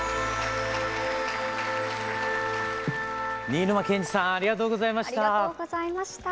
新沼謙治さんありがとうございました。